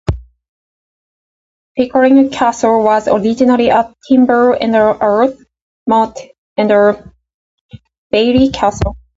Pickering castle was originally a timber and earth motte and bailey castle.